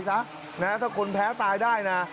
ถ้าคนแพ้ตายได้นะ